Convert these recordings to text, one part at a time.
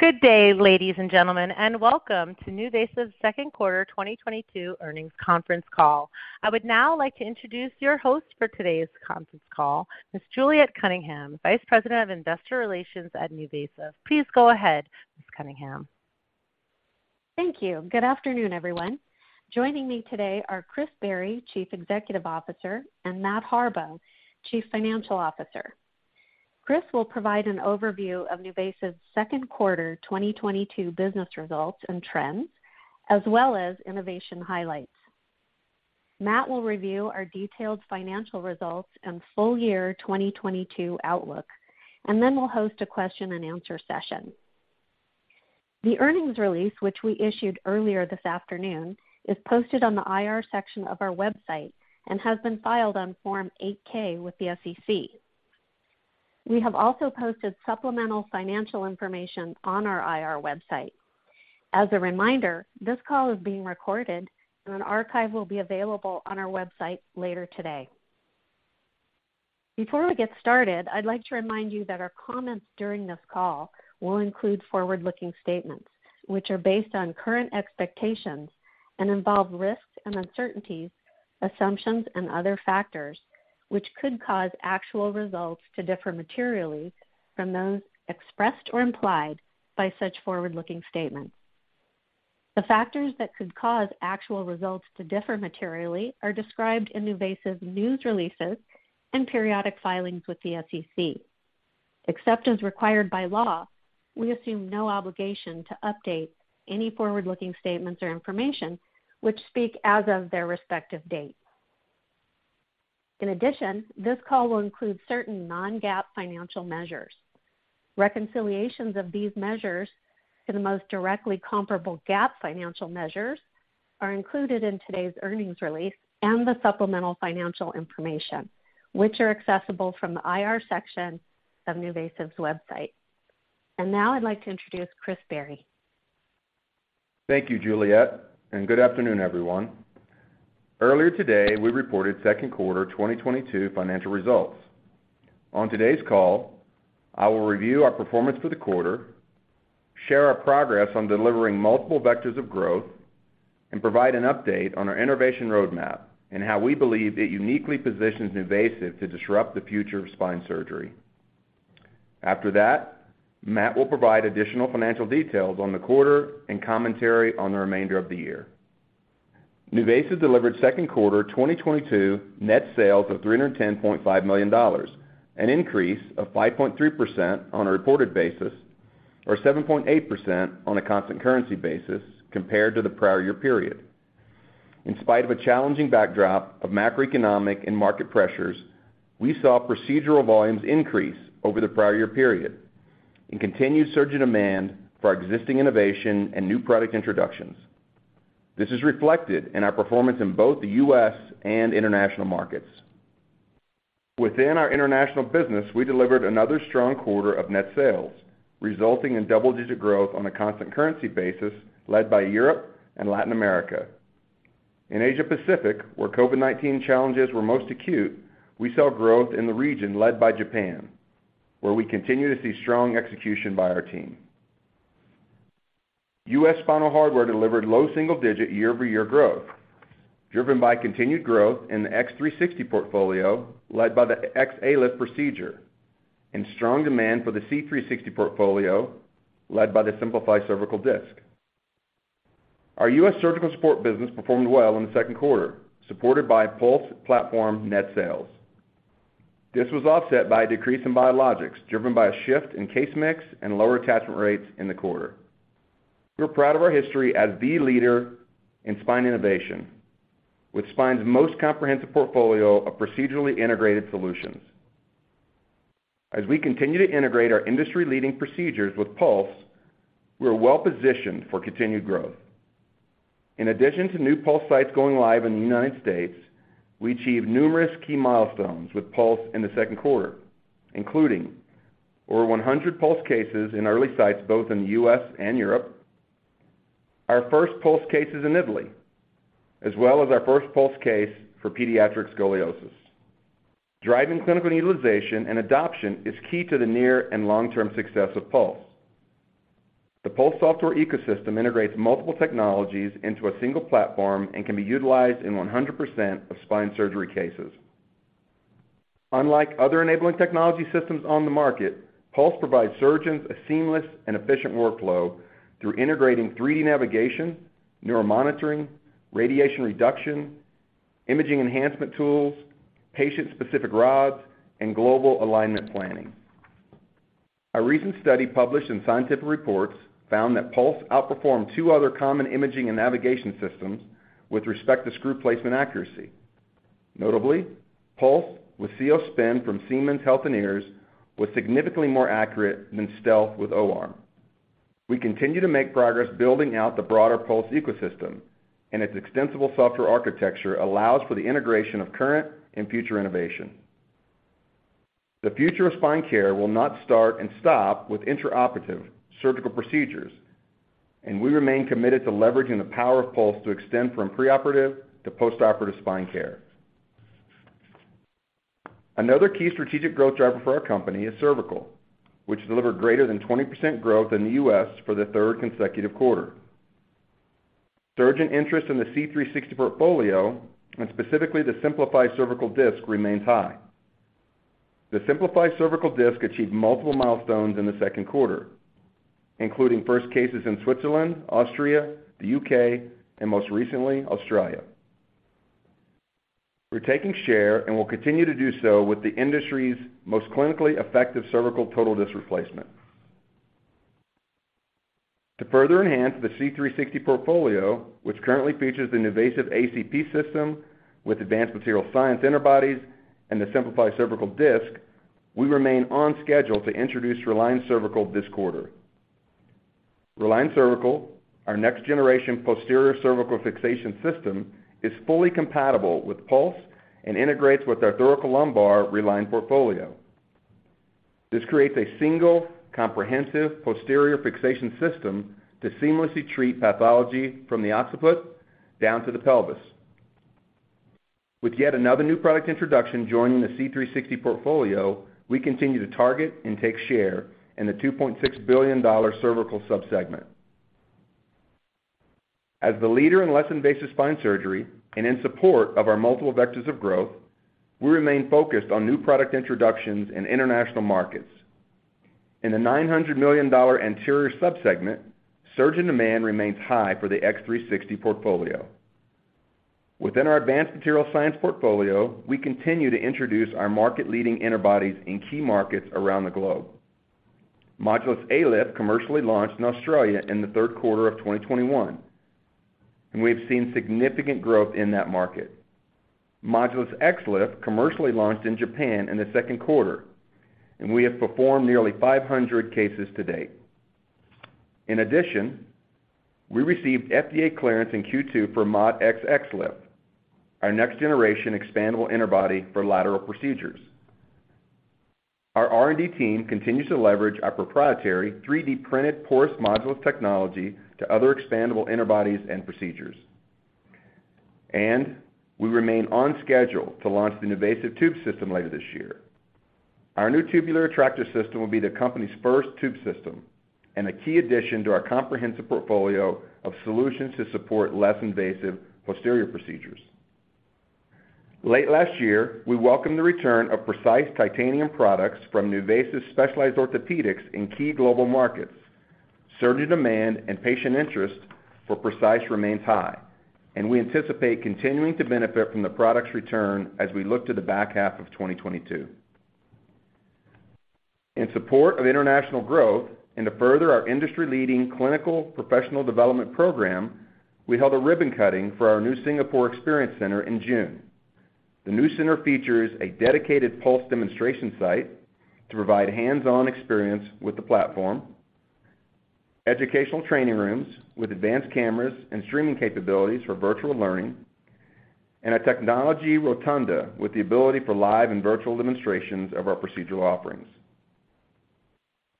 Good day, ladies and gentlemen, and welcome to NuVasive's second quarter 2022 earnings conference call. I would now like to introduce your host for today's conference call, Ms. Juliet Cunningham, Vice President of Investor Relations at NuVasive. Please go ahead, Ms. Cunningham. Thank you. Good afternoon, everyone. Joining me today are Chris Barry, Chief Executive Officer, and Matt Harbaugh, Chief Financial Officer. Chris will provide an overview of NuVasive's second quarter 2022 business results and trends, as well as innovation highlights. Matt will review our detailed financial results and full-year 2022 outlook, and then we'll host a question-and-answer session. The earnings release, which we issued earlier this afternoon, is posted on the IR section of our website and has been filed on Form 8-K with the SEC. We have also posted supplemental financial information on our IR website. As a reminder, this call is being recorded and an archive will be available on our website later today. Before we get started, I'd like to remind you that our comments during this call will include forward-looking statements, which are based on current expectations and involve risks and uncertainties, assumptions and other factors which could cause actual results to differ materially from those expressed or implied by such forward-looking statements. The factors that could cause actual results to differ materially are described in NuVasive's news releases and periodic filings with the SEC. Except as required by law, we assume no obligation to update any forward-looking statements or information which speak as of their respective date. In addition, this call will include certain non-GAAP financial measures. Reconciliations of these measures to the most directly comparable GAAP financial measures are included in today's earnings release and the supplemental financial information, which are accessible from the IR section of NuVasive's website. Now I'd like to introduce Chris Barry. Thank you, Juliet, and good afternoon, everyone. Earlier today, we reported second quarter 2022 financial results. On today's call, I will review our performance for the quarter, share our progress on delivering multiple vectors of growth, and provide an update on our innovation roadmap and how we believe it uniquely positions NuVasive to disrupt the future of spine surgery. After that, Matt will provide additional financial details on the quarter and commentary on the remainder of the year. NuVasive delivered second quarter 2022 net sales of $310.5 million, an increase of 5.3% on a reported basis or 7.8% on a constant currency basis compared to the prior year period. In spite of a challenging backdrop of macroeconomic and market pressures, we saw procedural volumes increase over the prior year period and continued surgeon demand for our existing innovation and new product introductions. This is reflected in our performance in both the U.S. and international markets. Within our international business, we delivered another strong quarter of net sales, resulting in double-digit growth on a constant currency basis led by Europe and Latin America. In Asia Pacific, where COVID-19 challenges were most acute, we saw growth in the region led by Japan, where we continue to see strong execution by our team. U.S. spinal hardware delivered low single digit year-over-year growth, driven by continued growth in the X360 portfolio led by the XLIF procedure and strong demand for the C360 portfolio led by the Simplify Cervical Disc. Our U.S. surgical support business performed well in the second quarter, supported by Pulse platform net sales. This was offset by a decrease in biologics, driven by a shift in case mix and lower attachment rates in the quarter. We're proud of our history as the leader in spine innovation, with spine's most comprehensive portfolio of procedurally integrated solutions. As we continue to integrate our industry-leading procedures with Pulse, we're well positioned for continued growth. In addition to new Pulse sites going live in the United States, we achieved numerous key milestones with Pulse in the second quarter, including over 100 Pulse cases in early sites, both in the U.S. and Europe, our first Pulse cases in Italy, as well as our first Pulse case for pediatric scoliosis. Driving clinical utilization and adoption is key to the near and long-term success of Pulse. The Pulse software ecosystem integrates multiple technologies into a single platform and can be utilized in 100% of spine surgery cases. Unlike other enabling technology systems on the market, Pulse provides surgeons a seamless and efficient workflow through integrating 3D navigation, neuromonitoring, radiation reduction, imaging enhancement tools, patient-specific rods, and global alignment planning. A recent study published in Scientific Reports found that Pulse outperformed two other common imaging and navigation systems with respect to screw placement accuracy. Notably, Pulse with Cios Spin from Siemens Healthineers was significantly more accurate than Stealth with O-Arm. We continue to make progress building out the broader Pulse ecosystem, and its extensible software architecture allows for the integration of current and future innovation. The future of spine care will not start and stop with intraoperative surgical procedures, and we remain committed to leveraging the power of Pulse to extend from preoperative to postoperative spine care. Another key strategic growth driver for our company is cervical, which delivered greater than 20% growth in the U.S. for the third consecutive quarter. Surging interest in the C360 portfolio, and specifically the Simplify Cervical Disc, remains high. The Simplify Cervical Disc achieved multiple milestones in the second quarter, including first cases in Switzerland, Austria, the U.K., and most recently Australia. We're taking share and will continue to do so with the industry's most clinically effective cervical total disc replacement. To further enhance the C360 portfolio, which currently features the NuVasive ACP system with advanced material science inner bodies and the Simplify Cervical Disc, we remain on schedule to introduce Reline Cervical this quarter. Reline Cervical, our next generation posterior cervical fixation system, is fully compatible with Pulse and integrates with our thoracolumbar Reline portfolio. This creates a single comprehensive posterior fixation system to seamlessly treat pathology from the occiput down to the pelvis. With yet another new product introduction joining the C360 portfolio, we continue to target and take share in the $2.6 billion cervical subsegment. As the leader in less invasive spine surgery and in support of our multiple vectors of growth, we remain focused on new product introductions in international markets. In the $900 million anterior subsegment, surgeon demand remains high for the X360 portfolio. Within our advanced material science portfolio, we continue to introduce our market-leading interbodies in key markets around the globe. Modulus ALIF commercially launched in Australia in the third quarter of 2021, and we have seen significant growth in that market. Modulus XLIF commercially launched in Japan in the second quarter, and we have performed nearly 500 cases to date. In addition, we received FDA clearance in Q2 for Modulus XLIF, our next generation expandable interbody for lateral procedures. Our R&D team continues to leverage our proprietary 3D printed porous Modulus technology to other expandable interbodies and procedures. We remain on schedule to launch the NuVasive Tube System later this year. Our new tubular retractor system will be the company's first tube system and a key addition to our comprehensive portfolio of solutions to support less invasive posterior procedures. Late last year, we welcomed the return of Precice titanium products from NuVasive Specialized Orthopedics in key global markets. Surgeon demand and patient interest for Precice remains high, and we anticipate continuing to benefit from the product's return as we look to the back half of 2022. In support of international growth and to further our industry-leading clinical professional development program, we held a ribbon cutting for our new Singapore Experience Center in June. The new center features a dedicated Pulse demonstration site to provide hands-on experience with the platform, educational training rooms with advanced cameras and streaming capabilities for virtual learning, and a technology rotunda with the ability for live and virtual demonstrations of our procedural offerings.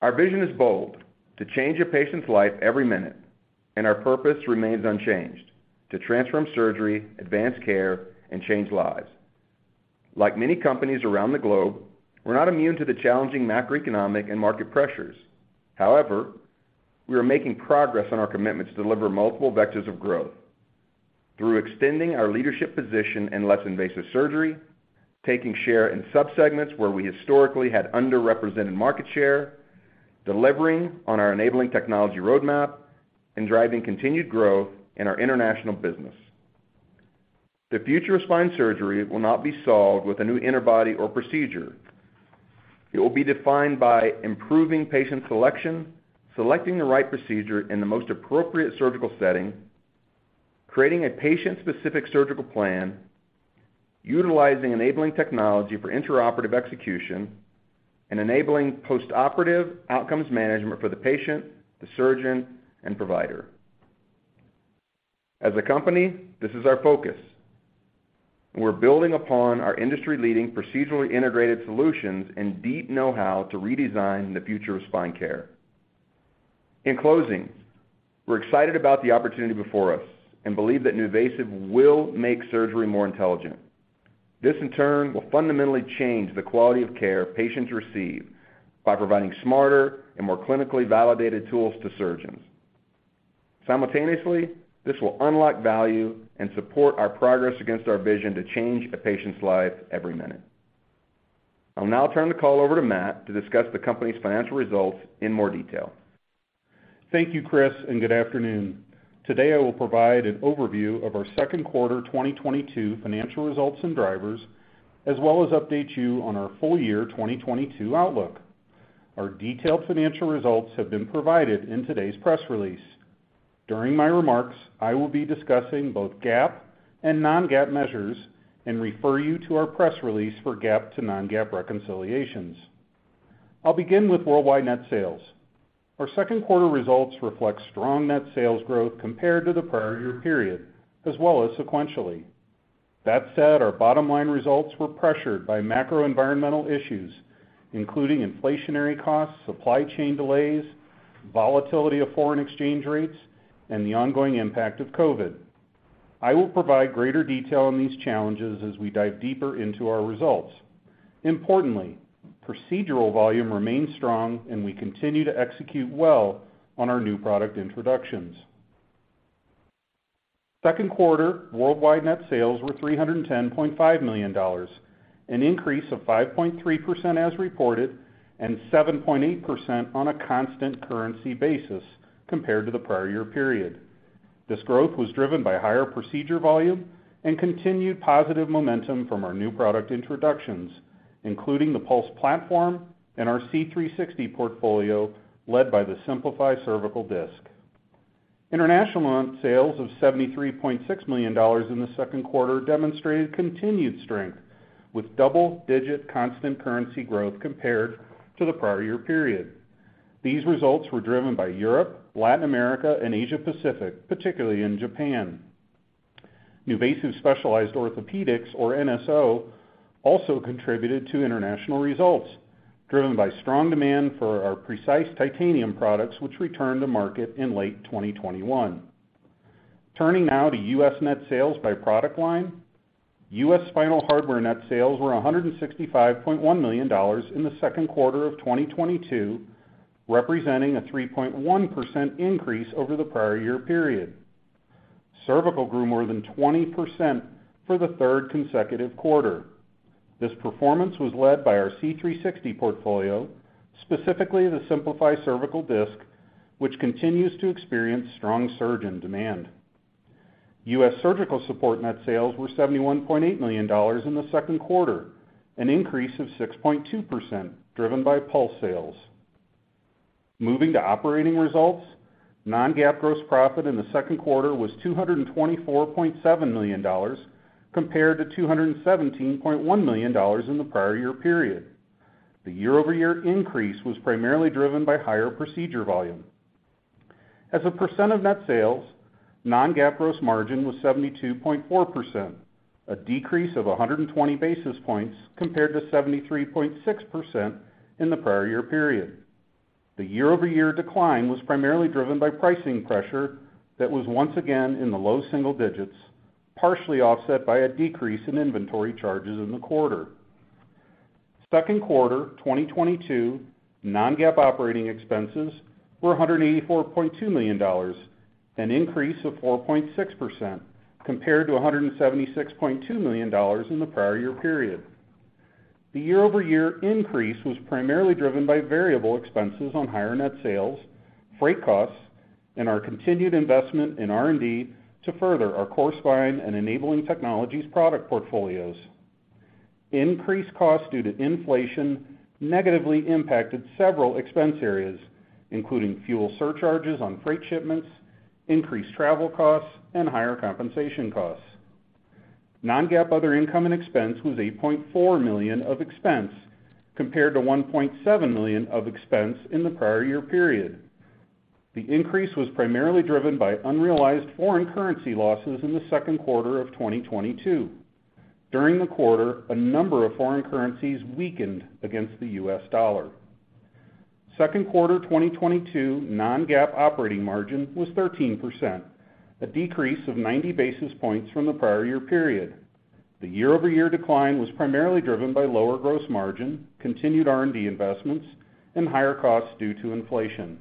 Our vision is bold, to change a patient's life every minute, and our purpose remains unchanged, to transform surgery, advance care, and change lives. Like many companies around the globe, we're not immune to the challenging macroeconomic and market pressures. However, we are making progress on our commitment to deliver multiple vectors of growth through extending our leadership position in less invasive surgery, taking share in subsegments where we historically had underrepresented market share, delivering on our enabling technology roadmap, and driving continued growth in our international business. The future of spine surgery will not be solved with a new interbody or procedure. It will be defined by improving patient selection, selecting the right procedure in the most appropriate surgical setting, creating a patient-specific surgical plan, utilizing enabling technology for intraoperative execution, and enabling postoperative outcomes management for the patient, the surgeon, and provider. As a company, this is our focus, and we're building upon our industry-leading procedurally integrated solutions and deep know-how to redesign the future of spine care. In closing, we're excited about the opportunity before us and believe that NuVasive will make surgery more intelligent. This in turn will fundamentally change the quality of care patients receive by providing smarter and more clinically validated tools to surgeons. Simultaneously, this will unlock value and support our progress against our vision to change a patient's life every minute. I'll now turn the call over to Matt to discuss the company's financial results in more detail. Thank you, Chris, and good afternoon. Today, I will provide an overview of our second quarter 2022 financial results and drivers as well as update you on our full-year 2022 outlook. Our detailed financial results have been provided in today's press release. During my remarks, I will be discussing both GAAP and non-GAAP measures and refer you to our press release for GAAP to non-GAAP reconciliations. I'll begin with worldwide net sales. Our second quarter results reflect strong net sales growth compared to the prior year period as well as sequentially. That said, our bottom line results were pressured by macro environmental issues, including inflationary costs, supply chain delays, volatility of foreign exchange rates, and the ongoing impact of COVID. I will provide greater detail on these challenges as we dive deeper into our results. Importantly, procedural volume remains strong, and we continue to execute well on our new product introductions. Second quarter worldwide net sales were $310.5 million, an increase of 5.3% as reported and 7.8% on a constant currency basis compared to the prior year period. This growth was driven by higher procedure volume and continued positive momentum from our new product introductions, including the Pulse platform and our C360 portfolio, led by the Simplify Cervical Disc. International sales of $73.6 million in the second quarter demonstrated continued strength with double-digit constant currency growth compared to the prior year period. These results were driven by Europe, Latin America and Asia Pacific, particularly in Japan. NuVasive Specialized Orthopedics, or NSO, also contributed to international results driven by strong demand for our Precice titanium products, which returned to market in late 2021. Turning now to U.S. net sales by product line. U.S. spinal hardware net sales were $165.1 million in the second quarter of 2022, representing a 3.1% increase over the prior year period. Cervical grew more than 20% for the third consecutive quarter. This performance was led by our C360 portfolio, specifically the Simplify Cervical Disc, which continues to experience strong surge in demand. U.S. surgical support net sales were $71.8 million in the second quarter, an increase of 6.2%, driven by Pulse sales. Moving to operating results. Non-GAAP gross profit in the second quarter was $224.7 million, compared to $217.1 million in the prior year period. The year-over-year increase was primarily driven by higher procedure volume. As a percent of net sales, non-GAAP gross margin was 72.4%, a decrease of 120 basis points compared to 73.6% in the prior year period. The year-over-year decline was primarily driven by pricing pressure that was once again in the low single digits, partially offset by a decrease in inventory charges in the quarter. Second quarter 2022 non-GAAP operating expenses were $184.2 million, an increase of 4.6% compared to $176.2 million in the prior year period. The year-over-year increase was primarily driven by variable expenses on higher net sales, freight costs, and our continued investment in R&D to further our core spine and enabling technologies product portfolios. Increased costs due to inflation negatively impacted several expense areas, including fuel surcharges on freight shipments, increased travel costs, and higher compensation costs. Non-GAAP other income and expense was $8.4 million of expense, compared to $1.7 million of expense in the prior year period. The increase was primarily driven by unrealized foreign currency losses in the second quarter of 2022. During the quarter, a number of foreign currencies weakened against the U.S. dollar. Second quarter 2022 non-GAAP operating margin was 13%, a decrease of 90 basis points from the prior year period. The year-over-year decline was primarily driven by lower gross margin, continued R&D investments, and higher costs due to inflation.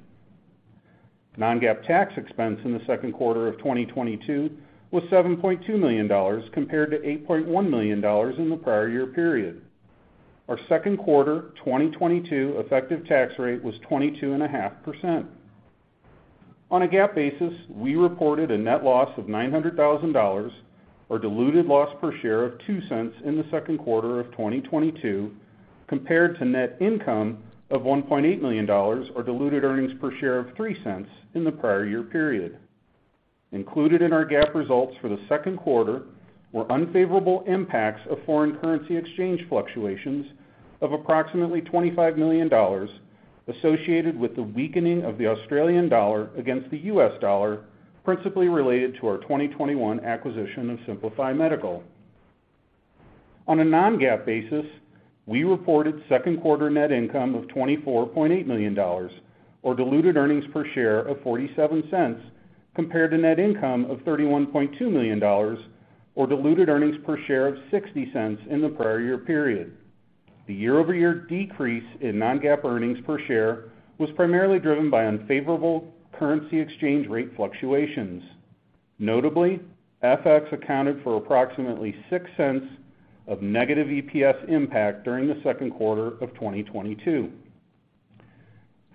Non-GAAP tax expense in the second quarter of 2022 was $7.2 million, compared to $8.1 million in the prior year period. Our second quarter 2022 effective tax rate was 22.5%. On a GAAP basis, we reported a net loss of $900,000 or diluted loss per share of $0.02 in the second quarter of 2022, compared to net income of $1.8 million, or diluted earnings per share of $0.03 in the prior year period. Included in our GAAP results for the second quarter were unfavorable impacts of foreign currency exchange fluctuations of approximately $25 million associated with the weakening of the Australian dollar against the U.S. dollar, principally related to our 2021 acquisition of Simplify Medical. On a non-GAAP basis, we reported second quarter net income of $24.8 million or diluted earnings per share of $0.47, compared to net income of $31.2 million or diluted earnings per share of $0.60 in the prior year period. The year-over-year decrease in non-GAAP earnings per share was primarily driven by unfavorable currency exchange rate fluctuations. Notably, FX accounted for approximately $0.06 of negative EPS impact during the second quarter of 2022.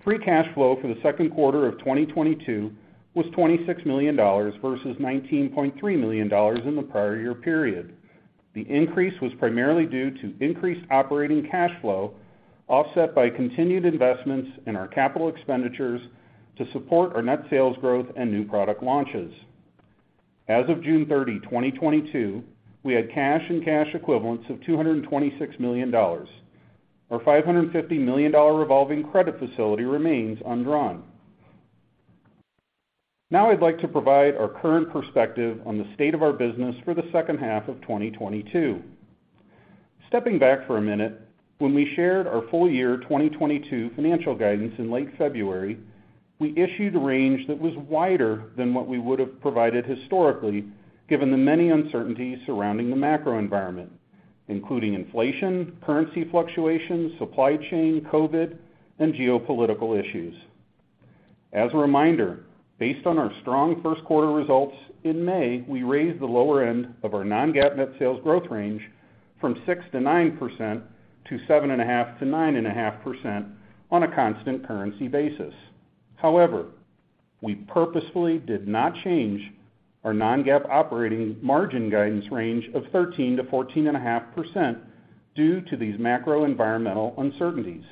Free cash flow for the second quarter of 2022 was $26 million versus $19.3 million in the prior year period. The increase was primarily due to increased operating cash flow, offset by continued investments in our capital expenditures to support our net sales growth and new product launches. As of June 30, 2022, we had cash and cash equivalents of $226 million. Our $550 million revolving credit facility remains undrawn. Now I'd like to provide our current perspective on the state of our business for the second half of 2022. Stepping back for a minute, when we shared our full-year 2022 financial guidance in late February, we issued a range that was wider than what we would have provided historically, given the many uncertainties surrounding the macro environment, including inflation, currency fluctuations, supply chain, COVID, and geopolitical issues. As a reminder, based on our strong first quarter results in May, we raised the lower end of our non-GAAP net sales growth range from 6%-9% to 7.5%-9.5% on a constant currency basis. However, we purposefully did not change our non-GAAP operating margin guidance range of 13%-14.5% due to these macro environmental uncertainties.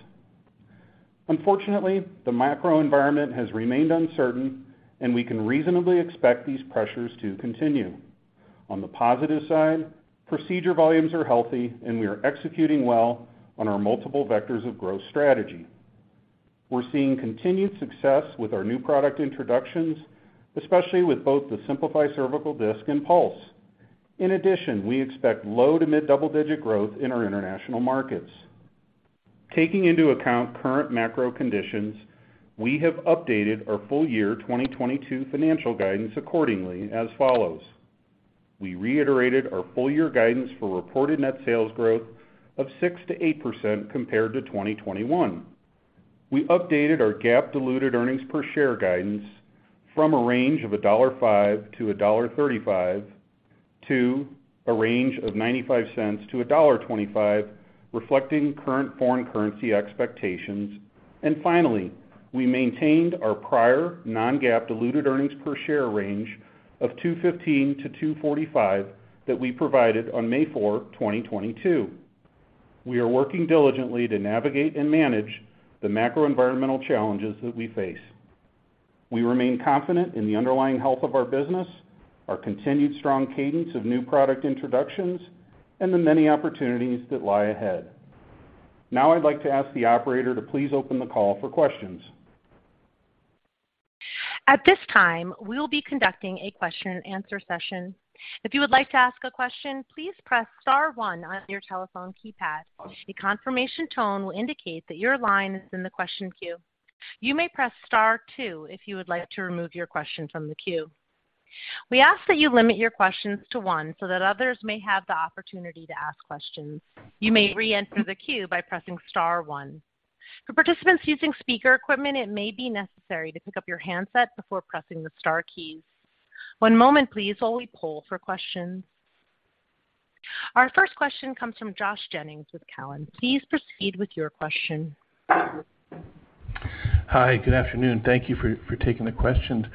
Unfortunately, the macro environment has remained uncertain, and we can reasonably expect these pressures to continue. On the positive side, procedure volumes are healthy, and we are executing well on our multiple vectors of growth strategy. We're seeing continued success with our new product introductions, especially with both the Simplify Cervical Disc and Pulse. In addition, we expect low to mid-double digit growth in our international markets. Taking into account current macro conditions, we have updated our full-year 2022 financial guidance accordingly as follows. We reiterated our full-year guidance for reported net sales growth of 6%-8% compared to 2021. We updated our GAAP diluted earnings per share guidance from a range of $1.05-$1.35 to a range of $0.95-$1.25, reflecting current foreign currency expectations. Finally, we maintained our prior non-GAAP diluted earnings per share range of $2.15-$2.45 that we provided on May 4, 2022. We are working diligently to navigate and manage the macro environmental challenges that we face. We remain confident in the underlying health of our business, our continued strong cadence of new product introductions, and the many opportunities that lie ahead. Now I'd like to ask the operator to please open the call for questions. At this time, we will be conducting a question-and-answer session. If you would like to ask a question, please press star one on your telephone keypad. A confirmation tone will indicate that your line is in the question queue. You may press star two if you would like to remove your question from the queue. We ask that you limit your questions to one so that others may have the opportunity to ask questions. You may re-enter the queue by pressing star one. For participants using speaker equipment, it may be necessary to pick up your handset before pressing the star keys. One moment please while we poll for questions. Our first question comes from Josh Jennings with TD Cowen. Please proceed with your question. Hi, good afternoon. Thank you for taking the questions.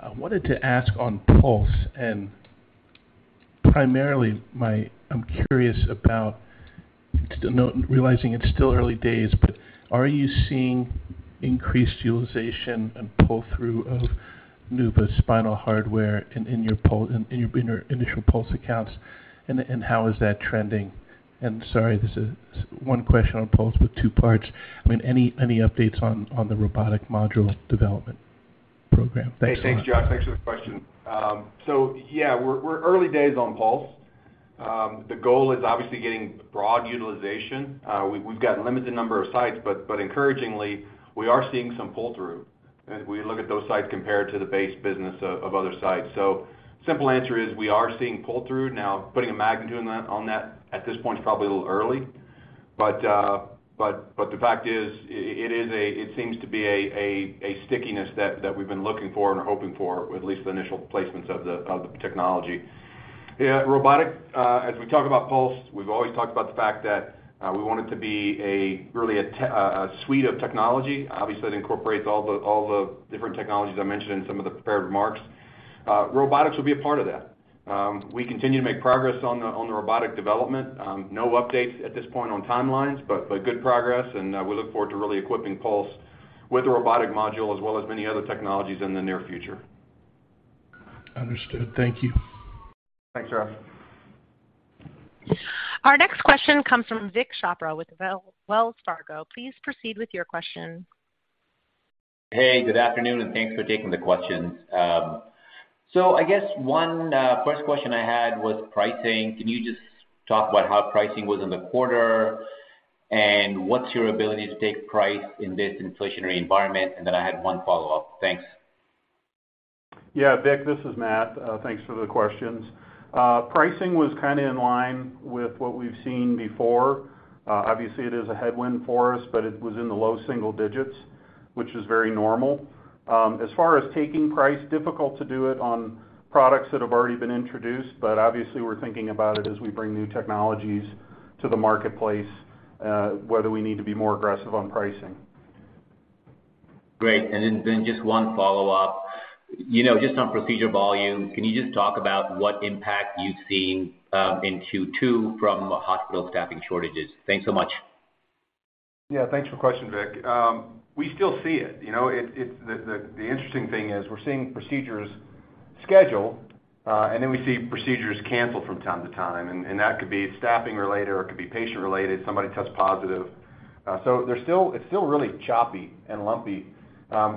I wanted to ask on Pulse, and primarily I'm curious about realizing it's still early days, but are you seeing increased utilization and pull-through of NuVasive's spinal hardware in your initial Pulse accounts, and how is that trending? Sorry, this is one question on Pulse with two parts. I mean, any updates on the robotic module development program? Thanks so much. Hey, thanks, Josh. Thanks for the question. Yeah, we're early days on Pulse. The goal is obviously getting broad utilization. We've got limited number of sites, but encouragingly, we are seeing some pull-through as we look at those sites compared to the base business of other sites. Simple answer is we are seeing pull-through. Now, putting a magnitude on that at this point is probably a little early, but the fact is, it seems to be a stickiness that we've been looking for and hoping for with at least the initial placements of the technology. As we talk about Pulse, we've always talked about the fact that we want it to be really a suite of technology. Obviously, it incorporates all the different technologies I mentioned in some of the prepared remarks. Robotics will be a part of that. We continue to make progress on the robotic development. No updates at this point on timelines, but good progress, and we look forward to really equipping Pulse with a robotic module as well as many other technologies in the near future. Understood. Thank you. Thanks, Josh. Our next question comes from Vikram Chopra with Wells Fargo. Please proceed with your question. Hey, good afternoon, and thanks for taking the questions. First question I had was pricing. Can you just talk about how pricing was in the quarter, and what's your ability to take price in this inflationary environment? I had one follow-up. Thanks. Yeah, Vik, this is Matt. Thanks for the questions. Pricing was kinda in line with what we've seen before. Obviously, it is a headwind for us, but it was in the low single digits, which is very normal. As far as taking price, difficult to do it on products that have already been introduced, but obviously we're thinking about it as we bring new technologies to the marketplace, whether we need to be more aggressive on pricing. Great. Just one follow-up. You know, just on procedure volume, can you just talk about what impact you've seen in Q2 from hospital staffing shortages? Thanks so much. Yeah, thanks for question, Vik. We still see it, you know. The interesting thing is we're seeing procedures scheduled, and then we see procedures canceled from time to time, and that could be staffing related, or it could be patient related, somebody tests positive. It's still really choppy and lumpy.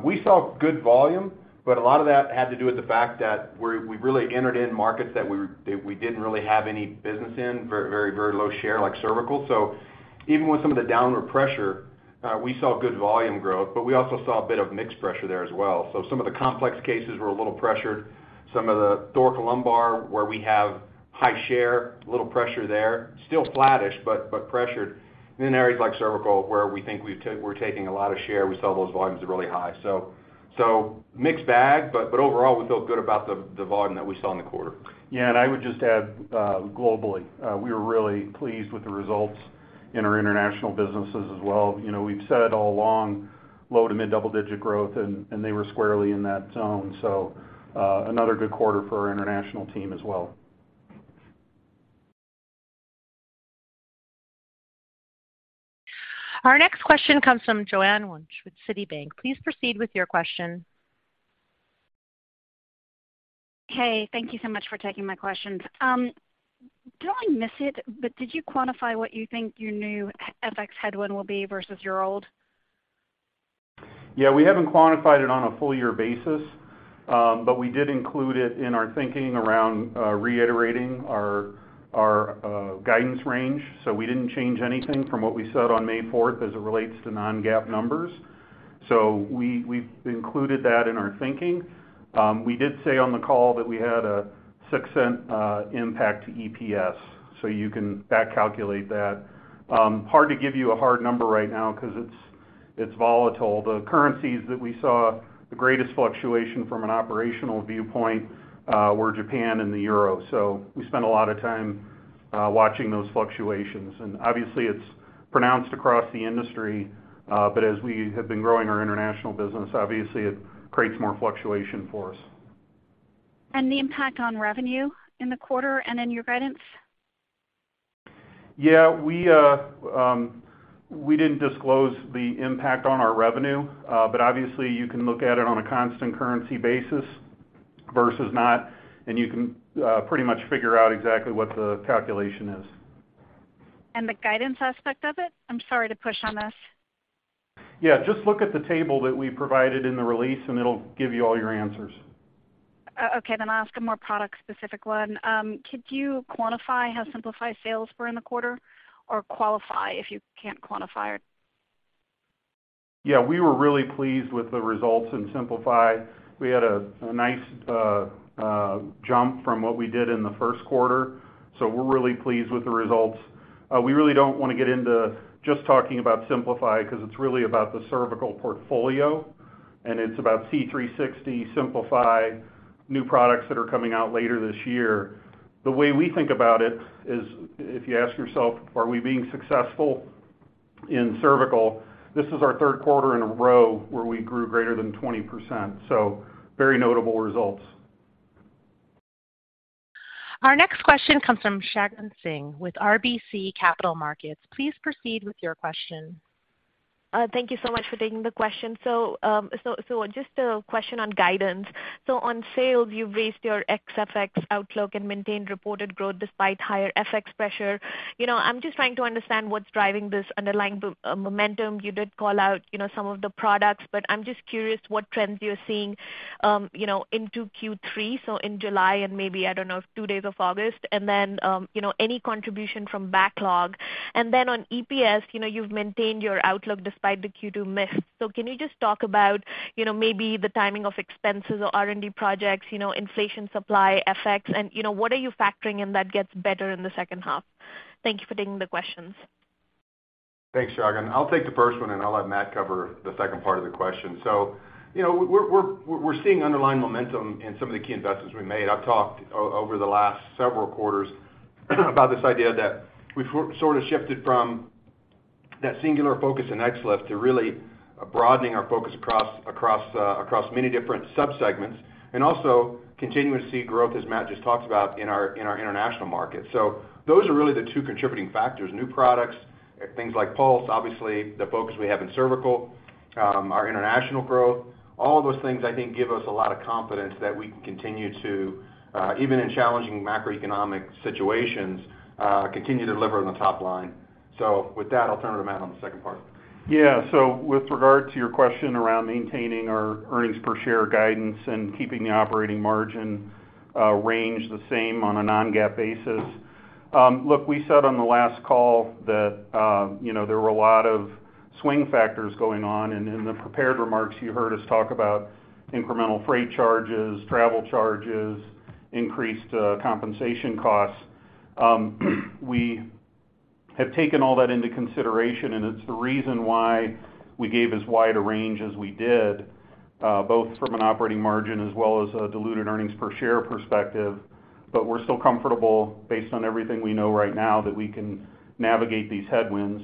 We saw good volume, but a lot of that had to do with the fact that we really entered in markets that we didn't really have any business in, very low share like cervical. Even with some of the downward pressure, we saw good volume growth, but we also saw a bit of mix pressure there as well. Some of the complex cases were a little pressured. Some of the thoracolumbar where we have high share, a little pressure there, still flattish, but pressured. In areas like cervical, where we think we're taking a lot of share, we saw those volumes are really high. Mixed bag, but overall, we feel good about the volume that we saw in the quarter. Yeah. I would just add, globally, we were really pleased with the results in our international businesses as well. You know, we've said all along, low- to mid-double-digit growth, and they were squarely in that zone. Another good quarter for our international team as well. Our next question comes from Joanne Wuensch with Citibank. Please proceed with your question. Hey, thank you so much for taking my questions. Did I miss it? Did you quantify what you think your new FX headwind will be versus your old? Yeah, we haven't quantified it on a full-year basis, but we did include it in our thinking around reiterating our guidance range. We didn't change anything from what we said on May fourth as it relates to non-GAAP numbers. We've included that in our thinking. We did say on the call that we had a $0.06 impact to EPS, so you can back calculate that. Hard to give you a hard number right now because it's volatile. The currencies that we saw the greatest fluctuation from an operational viewpoint were Japan and the Euro. We spent a lot of time watching those fluctuations. Obviously it's pronounced across the industry, but as we have been growing our international business, obviously it creates more fluctuation for us. The impact on revenue in the quarter and in your guidance? Yeah, we didn't disclose the impact on our revenue, but obviously you can look at it on a constant currency basis versus not, and you can pretty much figure out exactly what the calculation is. The guidance aspect of it? I'm sorry to push on this. Yeah. Just look at the table that we provided in the release and it'll give you all your answers. Okay. I'll ask a more product-specific one. Could you quantify how Simplify sales were in the quarter or qualify if you can't quantify it? Yeah, we were really pleased with the results in Simplify. We had a nice jump from what we did in the first quarter. We're really pleased with the results. We really don't wanna get into just talking about Simplify because it's really about the cervical portfolio, and it's about C360, Simplify, new products that are coming out later this year. The way we think about it is if you ask yourself, are we being successful in cervical? This is our third quarter in a row where we grew greater than 20%. Very notable results. Our next question comes from Shagun Singh with RBC Capital Markets. Please proceed with your question. Thank you so much for taking the question. Just a question on guidance. On sales, you've raised your ex FX outlook and maintained reported growth despite higher FX pressure. You know, I'm just trying to understand what's driving this underlying momentum. You did call out, you know, some of the products, but I'm just curious what trends you're seeing, you know, into Q3, so in July and maybe, I don't know, two days of August. And then, you know, any contribution from backlog. And then on EPS, you know, you've maintained your outlook despite the Q2 miss. Can you just talk about, you know, maybe the timing of expenses or R&D projects, you know, inflation supply effects, and, you know, what are you factoring in that gets better in the second half? Thank you for taking the questions. Thanks, Shagun. I'll take the first one, and I'll let Matt cover the second part of the question. You know, we're seeing underlying momentum in some of the key investments we made. I've talked over the last several quarters about this idea that we've sort of shifted from that singular focus in XLIF to really broadening our focus across many different sub-segments, and also continuing to see growth, as Matt just talked about, in our international markets. Those are really the two contributing factors. New products, things like Pulse, obviously, the focus we have in cervical, our international growth. All of those things, I think, give us a lot of confidence that we can continue to, even in challenging macroeconomic situations, continue to deliver on the top line. With that, I'll turn it to Matt on the second part. Yeah. With regard to your question around maintaining our earnings per share guidance and keeping the operating margin range the same on a non-GAAP basis. Look, we said on the last call that, you know, there were a lot of swing factors going on, and in the prepared remarks, you heard us talk about incremental freight charges, travel charges, increased compensation costs. We have taken all that into consideration, and it's the reason why we gave as wide a range as we did, both from an operating margin as well as a diluted earnings per share perspective. We're still comfortable based on everything we know right now that we can navigate these headwinds.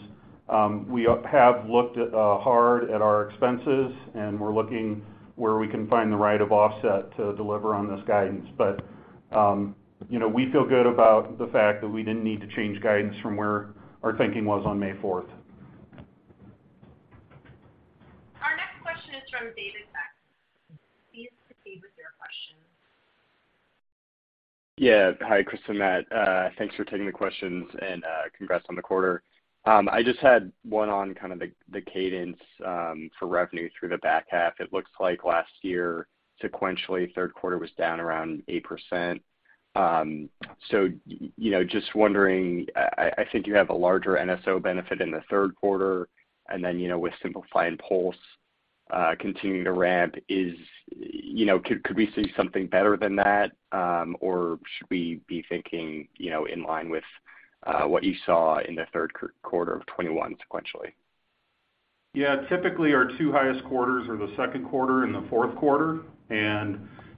We have looked hard at our expenses, and we're looking where we can find the right offset to deliver on this guidance. You know, we feel good about the fact that we didn't need to change guidance from where our thinking was on May fourth. Our next question is from David Saxon. Please proceed with your question. Yeah. Hi, Chris and Matt. Thanks for taking the questions, and congrats on the quarter. I just had one on the cadence for revenue through the back half. It looks like last year, sequentially, third quarter was down around 8%. So, you know, just wondering, I think you have a larger NSO benefit in the third quarter, and then, you know, with Simplify and Pulse continuing to ramp. You know, could we see something better than that? Or should we be thinking, you know, in line with what you saw in the third quarter of 2021 sequentially? Yeah. Typically, our two highest quarters are the second quarter and the fourth quarter.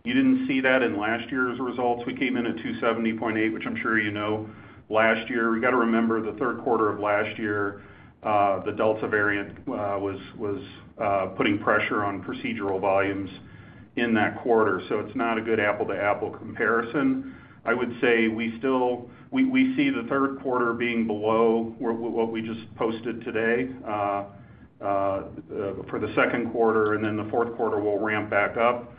You didn't see that in last year's results. We came in at $270.8 million, which I'm sure you know. We got to remember the third quarter of last year, the Delta variant was putting pressure on procedural volumes in that quarter. It's not a good apples-to-apples comparison. I would say we see the third quarter being below what we just posted today for the second quarter, and then the fourth quarter will ramp back up.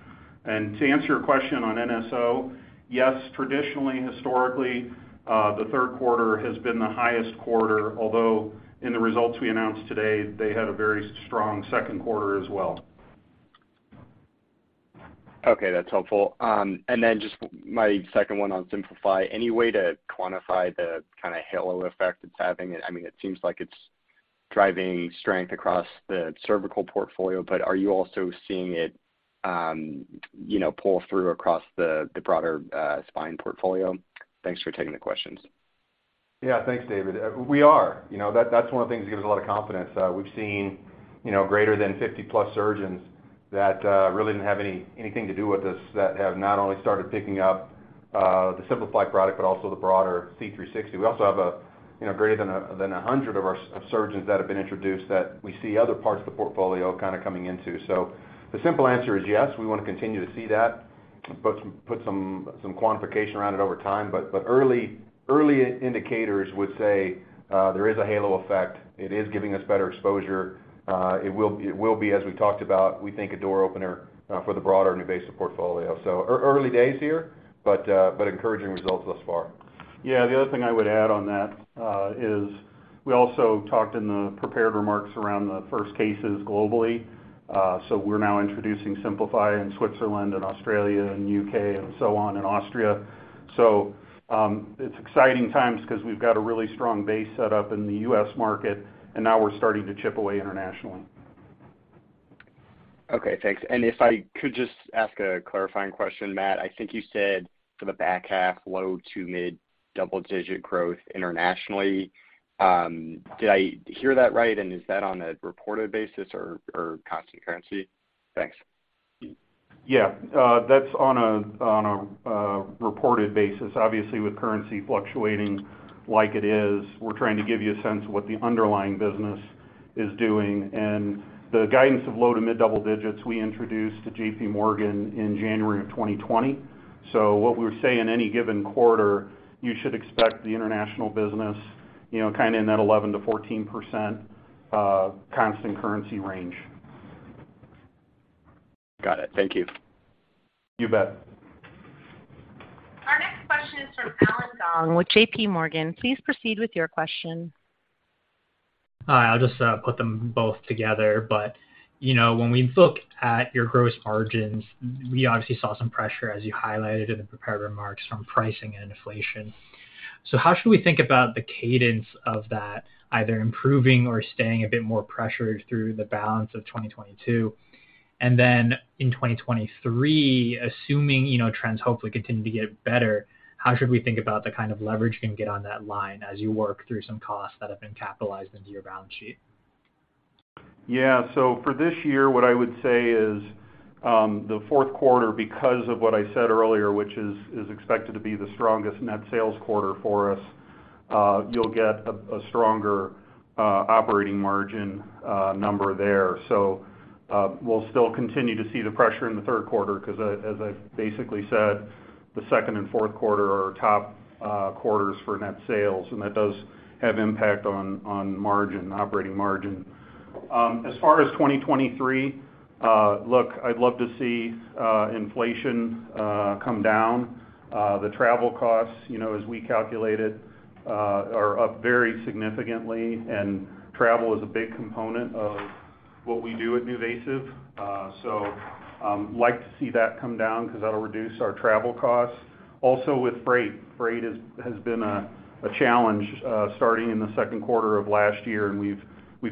To answer your question on NSO. Yes, traditionally, historically, the third quarter has been the highest quarter, although in the results we announced today, they had a very strong second quarter as well. Okay, that's helpful. Just my second one on Simplify. Any way to quantify the kinda halo effect it's having? I mean, it seems like it's driving strength across the cervical portfolio, but are you also seeing it pull through across the broader spine portfolio? Thanks for taking the questions. Yeah. Thanks, David. You know, that's one of the things that gives a lot of confidence. We've seen, you know, greater than 50+ surgeons that really didn't have anything to do with us that have not only started picking up the Simplify product but also the broader C360. We also have, you know, greater than 100 of our surgeons that have been introduced that we see other parts of the portfolio kinda coming into. The simple answer is yes, we wanna continue to see that, put some quantification around it over time. Early indicators would say there is a halo effect. It is giving us better exposure. It will be, as we talked about, we think, a door opener for the broader NuVasive portfolio. Early days here, but encouraging results thus far. Yeah. The other thing I would add on that, is we also talked in the prepared remarks around the first cases globally. We're now introducing Simplify in Switzerland and Australia and U.K. and so on, and Austria. It's exciting times 'cause we've got a really strong base set up in the U.S. market, and now we're starting to chip away internationally. Okay, thanks. If I could just ask a clarifying question, Matt. I think you said for the back half, low- to mid-double-digit growth internationally. Did I hear that right? Is that on a reported basis or constant currency? Thanks. Yeah. That's on a reported basis. Obviously, with currency fluctuating like it is, we're trying to give you a sense of what the underlying business is doing. The guidance of low to mid double digits we introduced to JPMorgan in January of 2020. What we say in any given quarter, you should expect the international business, you know, kinda in that 11%-14%, constant currency range. Got it. Thank you. You bet. Our next question is from Allen Gong with JPMorgan. Please proceed with your question. Hi. I'll just put them both together. You know, when we look at your gross margins, we obviously saw some pressure as you highlighted in the prepared remarks from pricing and inflation. How should we think about the cadence of that either improving or staying a bit more pressured through the balance of 2022? In 2023, assuming, you know, trends hopefully continue to get better, how should we think about the kind of leverage you can get on that line as you work through some costs that have been capitalized into your balance sheet? Yeah. For this year, what I would say is, the fourth quarter, because of what I said earlier, which is expected to be the strongest net sales quarter for us, you'll get a stronger operating margin number there. We'll still continue to see the pressure in the third quarter 'cause as I've basically said, the second and fourth quarter are our top quarters for net sales, and that does have impact on margin, operating margin. As far as 2023, look, I'd love to see inflation come down. The travel costs, you know, as we calculate it, are up very significantly. Travel is a big component of what we do at NuVasive. Like to see that come down 'cause that'll reduce our travel costs. With freight has been a challenge starting in the second quarter of last year, and we've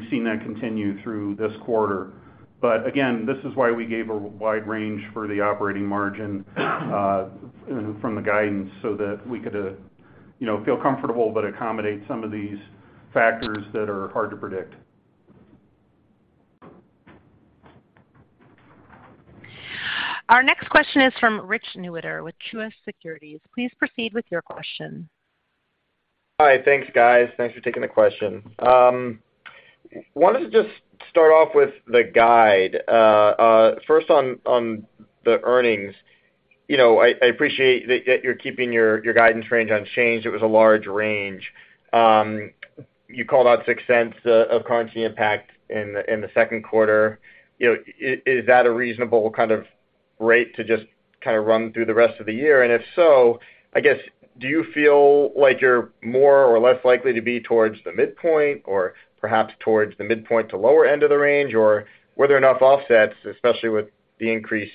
seen that continue through this quarter. This is why we gave a wide range for the operating margin, you know, from the guidance, so that we could feel comfortable but accommodate some of these factors that are hard to predict. Our next question is from Rich Newitter with Truist Securities. Please proceed with your question. Hi. Thanks, guys. Thanks for taking the question. Wanted to just start off with the guide. First on the earnings, you know, I appreciate that you're keeping your guidance range unchanged. It was a large range. You called out $0.06 of currency impact in the second quarter. You know, is that a reasonable kind of rate to just kind of run through the rest of the year? And if so, I guess, do you feel like you're more or less likely to be towards the midpoint or perhaps towards the midpoint to lower end of the range? Or were there enough offsets, especially with the increased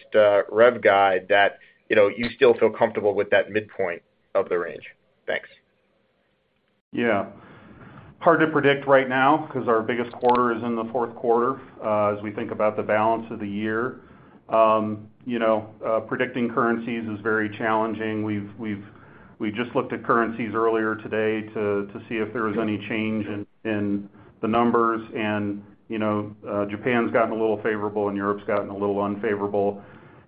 rev guide, that you know, you still feel comfortable with that midpoint of the range? Thanks. Yeah. Hard to predict right now because our biggest quarter is in the fourth quarter, as we think about the balance of the year. You know, predicting currencies is very challenging. We just looked at currencies earlier today to see if there was any change in the numbers. You know, Japan's gotten a little favorable and Europe's gotten a little unfavorable,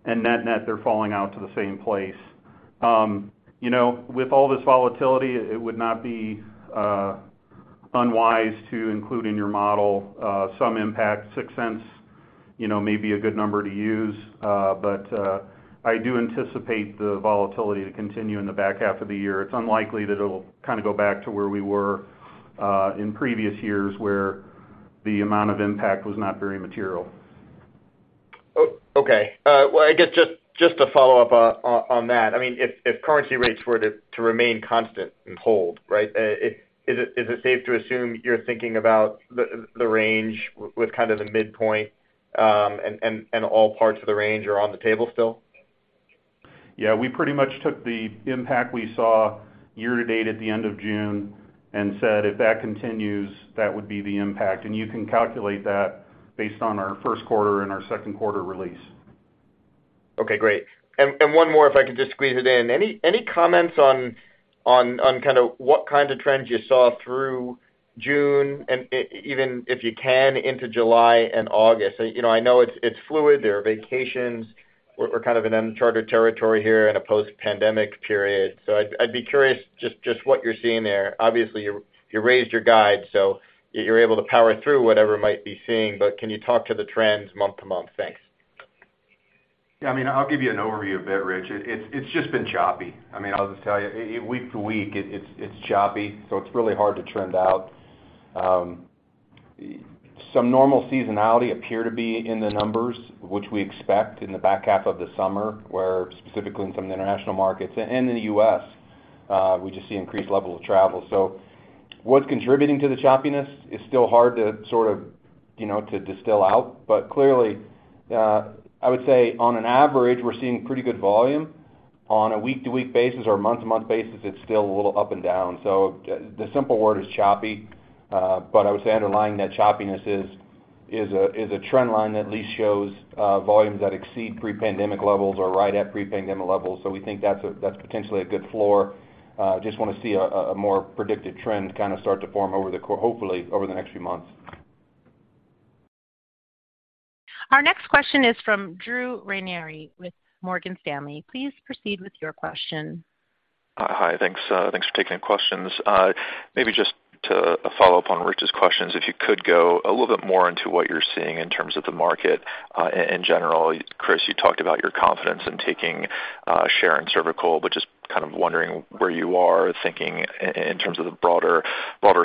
and net-net, they're falling out to the same place. You know, with all this volatility, it would not be unwise to include in your model some impact. $0.06, you know, may be a good number to use, but I do anticipate the volatility to continue in the back half of the year. It's unlikely that it'll kind of go back to where we were, in previous years, where the amount of impact was not very material. Okay. Well, I guess just to follow up on that. I mean, if currency rates were to remain constant and hold, right, is it safe to assume you're thinking about the range with kind of the midpoint, and all parts of the range are on the table still? Yeah. We pretty much took the impact we saw year-to-date at the end of June and said if that continues, that would be the impact. You can calculate that based on our first quarter and our second quarter release. Okay, great. One more if I could just squeeze it in. Any comments on kind of what kind of trends you saw through June and even if you can into July and August? You know, I know it's fluid. There are vacations. We're kind of in uncharted territory here in a post-pandemic period. I'd be curious just what you're seeing there. Obviously, you raised your guide, so you're able to power through whatever might be going on. Can you talk to the trends month-to-month? Thanks. Yeah. I mean, I'll give you an overview of it, Rich. It's just been choppy. I mean, I'll just tell you week to week it's choppy, so it's really hard to trend out. Some normal seasonality appear to be in the numbers, which we expect in the back half of the summer, where specifically in some of the international markets and in the U.S., we just see increased level of travel. What's contributing to the choppiness is still hard to sort of, you know, to distill out. Clearly, I would say on average, we're seeing pretty good volume. On a week-to-week basis or month-to-month basis, it's still a little up and down. The simple word is choppy. I would say underlying that choppiness is a trend line that at least shows volumes that exceed pre-pandemic levels or right at pre-pandemic levels. We think that's potentially a good floor. Just wanna see a more predictive trend kind of start to form hopefully over the next few months. Our next question is from Drew Ranieri with Morgan Stanley. Please proceed with your question. Hi. Thanks, thanks for taking the questions. Maybe just to follow up on Rich's questions, if you could go a little bit more into what you're seeing in terms of the market, in general. Chris, you talked about your confidence in taking share in cervical, but just kind of wondering where you are thinking in terms of the broader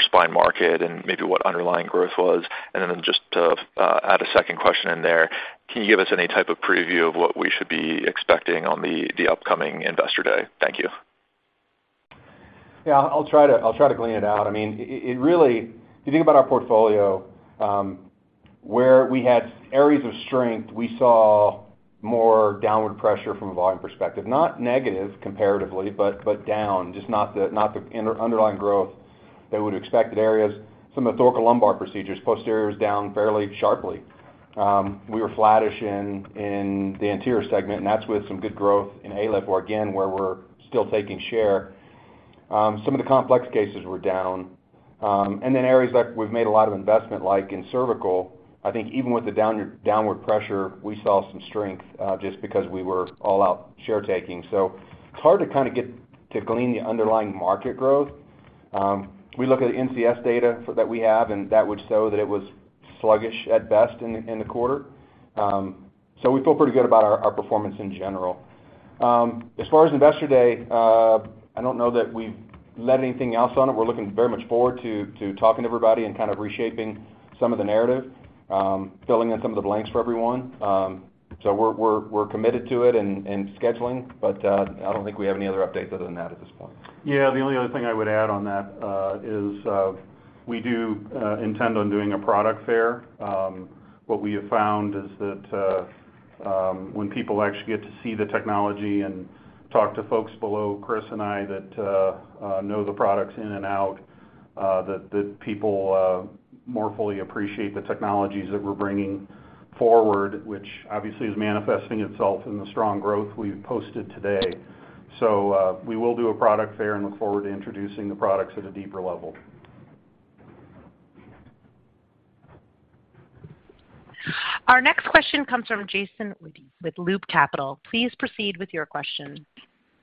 spine market and maybe what underlying growth was. Then just to add a second question in there, can you give us any type of preview of what we should be expecting on the upcoming Investor Day? Thank you. Yeah. I'll try to clean it out. I mean, it really, if you think about our portfolio, where we had areas of strength, we saw more downward pressure from a volume perspective, not negative comparatively, but down, just not the underlying growth that we'd expect in areas. Some of the thoracolumbar procedures, posterior is down fairly sharply. We were flattish in the anterior segment, and that's with some good growth in ALIF where, again, we're still taking share. Some of the complex cases were down. Areas like we've made a lot of investment, like in cervical, I think even with the downward pressure, we saw some strength, just because we were all out share taking. It's hard to kind of get to glean the underlying market growth. We look at the NCS data that we have, and that would show that it was sluggish at best in the quarter. We feel pretty good about our performance in general. As far as Investor Day, I don't know that we've leaked anything else on it. We're looking very much forward to talking to everybody and kind of reshaping some of the narrative, filling in some of the blanks for everyone. We're committed to it and scheduling, but I don't think we have any other updates other than that at this point. Yeah. The only other thing I would add on that is we do intend on doing a product fair. What we have found is that when people actually get to see the technology and talk to folks below Chris and I that know the products in and out, that people more fully appreciate the technologies that we're bringing forward, which obviously is manifesting itself in the strong growth we've posted today. We will do a product fair and look forward to introducing the products at a deeper level. Our next question comes from Jason with Loop Capital. Please proceed with your question.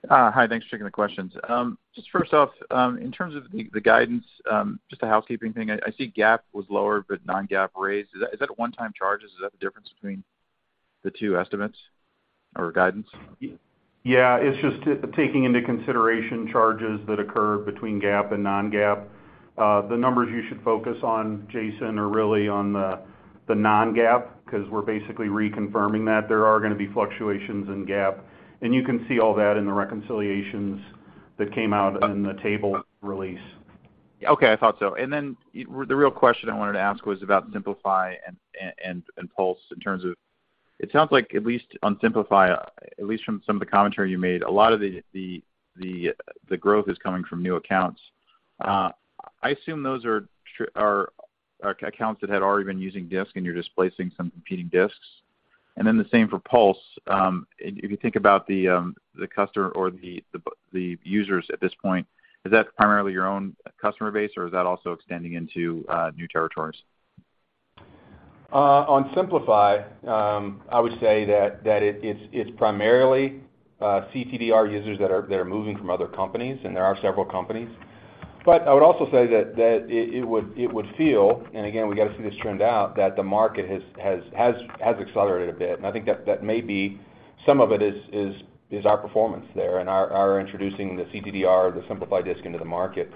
Hi. Thanks for taking the questions. Just first off, in terms of the guidance, just a housekeeping thing, I see GAAP was lower, but non-GAAP raised. Is that a one-time charge? Is that the difference between the two estimates or guidance? Yeah, it's just taking into consideration charges that occur between GAAP and non-GAAP. The numbers you should focus on, Jason, are really on the non-GAAP because we're basically reconfirming that there are gonna be fluctuations in GAAP. You can see all that in the reconciliations that came out in the table release. Okay. I thought so. The real question I wanted to ask was about Simplify and Pulse in terms of it sounds like at least on Simplify, at least from some of the commentary you made, a lot of the growth is coming from new accounts. I assume those are accounts that had already been using disc, and you're displacing some competing discs. The same for Pulse. If you think about the customer or the users at this point, is that primarily your own customer base, or is that also extending into new territories? On Simplify, I would say that it's primarily CTDR users that are moving from other companies, and there are several companies. I would also say that it would feel, and again, we got to see this trend out, that the market has accelerated a bit. I think that that may be some of it is our performance there and our introducing the CTDR, the Simplify disc into the market.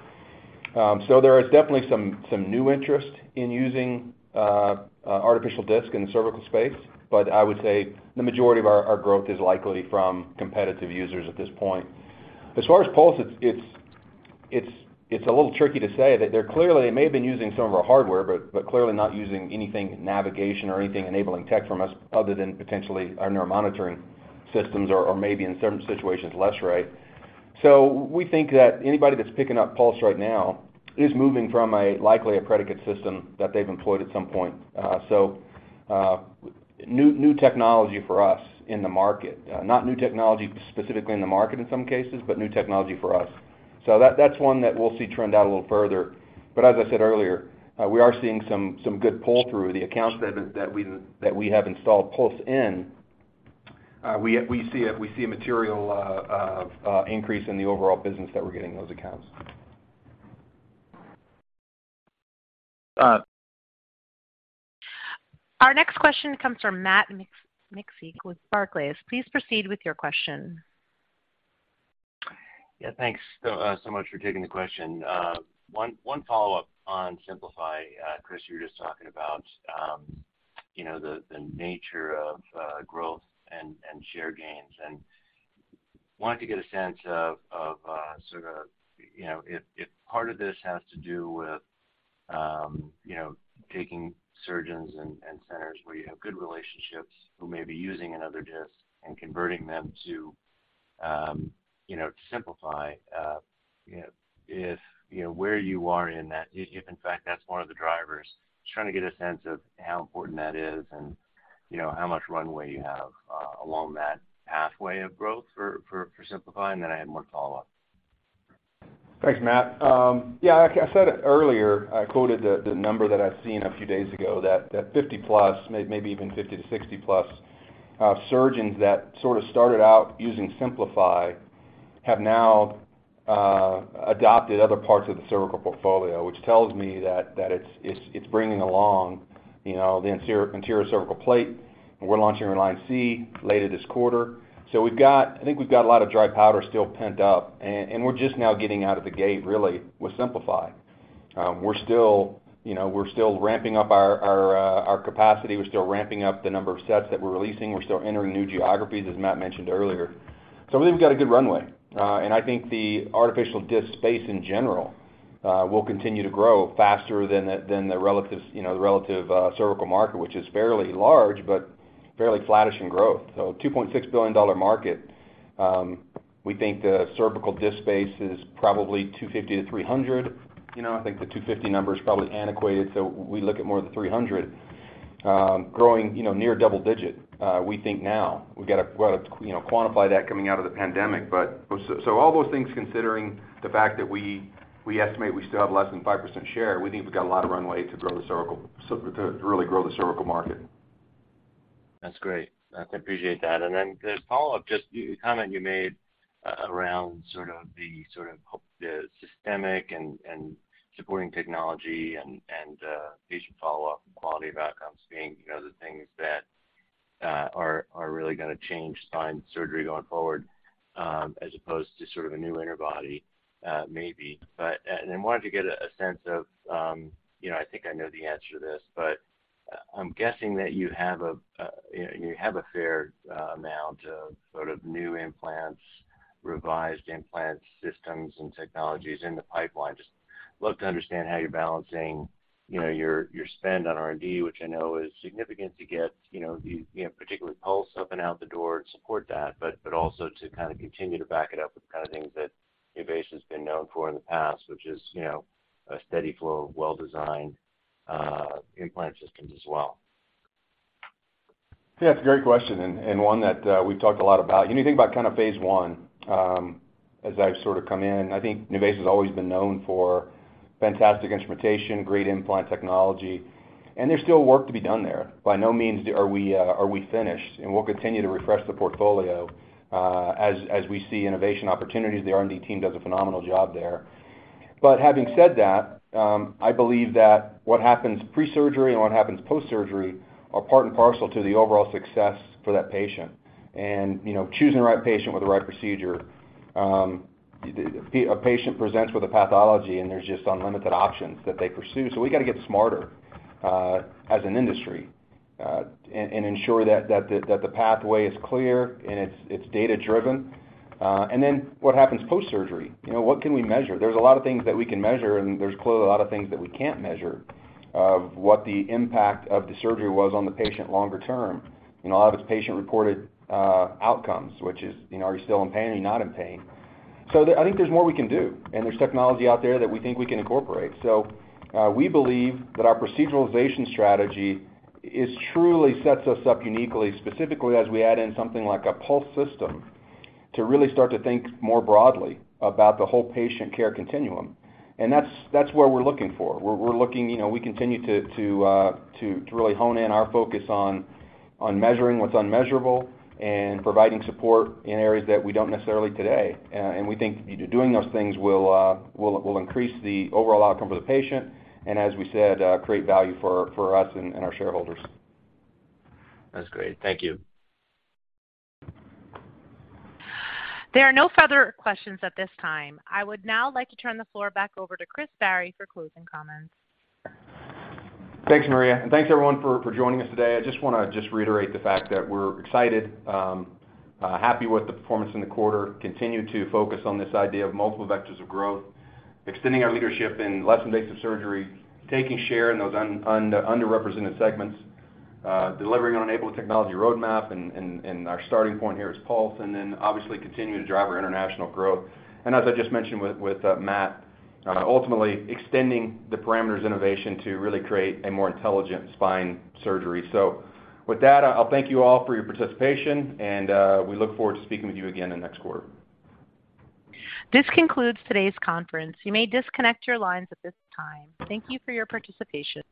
There is definitely some new interest in using artificial disc in the cervical space. I would say the majority of our growth is likely from competitive users at this point. As far as Pulse, it's a little tricky to say. They clearly may have been using some of our hardware, but clearly not using anything navigation or anything enabling tech from us other than potentially our neuromonitoring systems or maybe in certain situations, less right. We think that anybody that's picking up Pulse right now is moving from a likely predicate system that they've employed at some point. New technology for us in the market. Not new technology specifically in the market in some cases, but new technology for us. That's one that we'll see trend out a little further. As I said earlier, we are seeing some good pull through the accounts that we have installed Pulse in. We see a material increase in the overall business that we're getting those accounts. Our next question comes from Matt Miksic with Barclays. Please proceed with your question. Yeah, thanks so much for taking the question. One follow-up on Simplify. Chris, you were just talking about, you know, the nature of growth and share gains, and wanted to get a sense of, sort of, you know, if part of this has to do with, you know, taking surgeons and centers where you have good relationships who may be using another disc and converting them to, you know, to Simplify, if, you know, where you are in that, if, in fact, that's one of the drivers. Just trying to get a sense of how important that is and, you know, how much runway you have, along that pathway of growth for Simplify. I have one follow-up. Thanks, Matt. Yeah, I said it earlier. I quoted the number that I've seen a few days ago, that 50+, maybe even 50-60 plus, surgeons that sort of started out using Simplify have now adopted other parts of the cervical portfolio, which tells me that it's bringing along, you know, the anterior cervical plate. We're launching Reline C later this quarter. We've got. I think we've got a lot of dry powder still pent up, and we're just now getting out of the gate really with Simplify. We're still, you know, we're still ramping up our capacity. We're still ramping up the number of sets that we're releasing. We're still entering new geographies, as Matt mentioned earlier. I think we've got a good runway. I think the artificial disc space in general will continue to grow faster than the relative, you know, the relative cervical market, which is fairly large, but fairly flattish in growth. $2.6 billion market, we think the cervical disc space is probably $250 million-$300 million. You know, I think the $250 million number is probably antiquated, so we look at more than $300 million, growing, you know, near double-digit. We think now we've got to quantify that coming out of the pandemic, but so all those things, considering the fact that we estimate we still have less than 5% share, we think we've got a lot of runway to grow the cervical market. That's great. I appreciate that. Then the follow-up, just the comment you made around sort of the systemic and patient follow-up and quality of outcomes being, you know, the things that are really gonna change spine surgery going forward, as opposed to sort of a new interbody, maybe. I wanted to get a sense of, you know, I think I know the answer to this, but I'm guessing that you have a fair amount of sort of new implants, revised implant systems and technologies in the pipeline. Just love to understand how you're balancing, you know, your spend on R&D, which I know is significant to get, you know, the, you know, particularly Pulse up and out the door to support that, but also to kind of continue to back it up with the kind of things that NuVasive has been known for in the past, which is, you know, a steady flow of well-designed implant systems as well. Yeah, it's a great question and one that we've talked a lot about. When you think about kind of phase one, as I've sort of come in, I think NuVasive has always been known for fantastic instrumentation, great implant technology, and there's still work to be done there. By no means are we finished, and we'll continue to refresh the portfolio, as we see innovation opportunities. The R&D team does a phenomenal job there. Having said that, I believe that what happens pre-surgery and what happens post-surgery are part and parcel to the overall success for that patient. You know, choosing the right patient with the right procedure, a patient presents with a pathology, and there's just unlimited options that they pursue. We got to get smarter, as an industry, and ensure that the pathway is clear and it's data-driven. What happens post-surgery? You know, what can we measure? There's a lot of things that we can measure, and there's clearly a lot of things that we can't measure of what the impact of the surgery was on the patient longer term. You know, a lot of it's patient-reported outcomes, which is, you know, are you still in pain? Are you not in pain? I think there's more we can do, and there's technology out there that we think we can incorporate. We believe that our proceduralization strategy is truly sets us up uniquely, specifically as we add in something like a Pulse system to really start to think more broadly about the whole patient care continuum. That's where we're looking for. We're looking, you know, we continue to really hone in our focus on measuring what's unmeasurable and providing support in areas that we don't necessarily today. We think doing those things will increase the overall outcome for the patient and as we said, create value for us and our shareholders. That's great. Thank you. There are no further questions at this time. I would now like to turn the floor back over to Chris Barry for closing comments. Thanks, Maria, and thanks everyone for joining us today. I just wanna reiterate the fact that we're excited, happy with the performance in the quarter, continue to focus on this idea of multiple vectors of growth, extending our leadership in less invasive surgery, taking share in those underrepresented segments, delivering on an enabling technology roadmap. Our starting point here is Pulse, and then obviously continuing to drive our international growth. As I just mentioned with Matt, ultimately extending the parameters innovation to really create a more intelligent spine surgery. With that, I'll thank you all for your participation, and we look forward to speaking with you again in next quarter. This concludes today's conference. You may disconnect your lines at this time. Thank you for your participation.